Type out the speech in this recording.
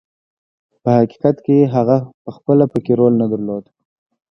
په حقیقت کې هغه پخپله پکې رول نه درلود.